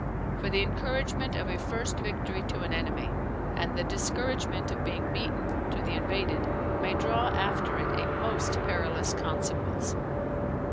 For the encouragement of a first victory to an enemy, and the discouragement of being beaten, to the invaded, may draw after it a most perilous consequence.